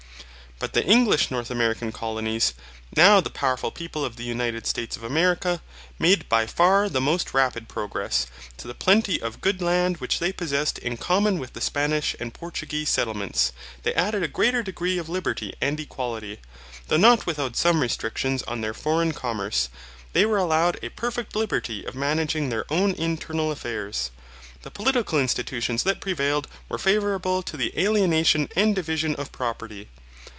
But the English North American colonies, now the powerful people of the United States of America, made by far the most rapid progress. To the plenty of good land which they possessed in common with the Spanish and Portuguese settlements, they added a greater degree of liberty and equality. Though not without some restrictions on their foreign commerce, they were allowed a perfect liberty of managing their own internal affairs. The political institutions that prevailed were favourable to the alienation and division of property.